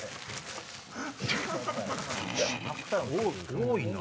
多いな。